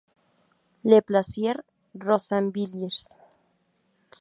Le Plessier-Rozainvillers